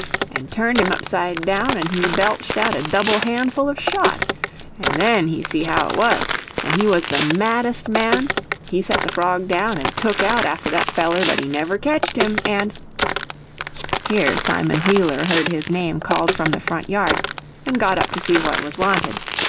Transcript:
and turned him upside down and he belched out a double handful of shot. And then he see how it was, and he was the maddest man—he set the frog down and took out after that feller, but he never ketched him. And—— (Here Simon Wheeler heard his name called from the front yard, and got up to see what was wanted.)